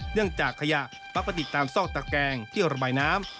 เนื่องจากขยะปรับประติศาสตร์ซอกตะแกงที่ระบายน้ำ